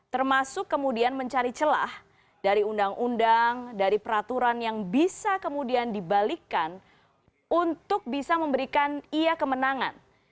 termasuk kemudian mencari celah dari undang undang dari peraturan yang bisa kemudian dibalikkan untuk bisa memberikan ia kemenangan